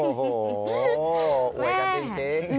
โอ้โหอวยกันจริง